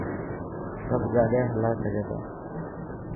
سب گاڏي هلائي سگهان ٿا.